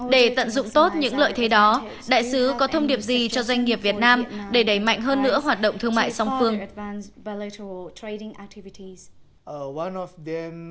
để tận dụng tốt những lợi thế đó đại sứ có thông điệp gì cho doanh nghiệp việt nam để đẩy mạnh hơn nữa hoạt động thương mại song phương